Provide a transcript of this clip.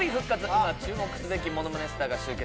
今注目すべきものまねスターが集結